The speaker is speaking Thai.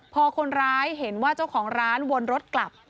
พอคนร้ายเห็นว่าเจ้าของร้านวนรถกลับ